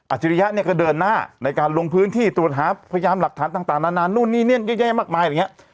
อาชิริยะก็เดินหน้าในการลงพื้นที่ตรวจหาพยายามหลักฐานต่างนานนู่นนี่เยอะแยะมากมาย